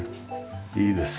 いいです。